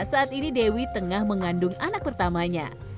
saat ini dewi harus membagi waktunya